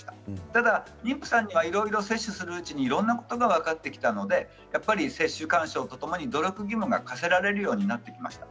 ただ妊婦さんに接種するうちにいろいろなことが分かってきたので接種勧奨とともに努力義務が課せられるようになってきました。